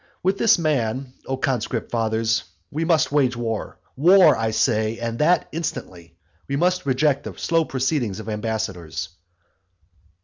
With this man, O conscript fathers, we must wage war, war, I say, and that instantly. We must reject the slow proceedings of ambassadors.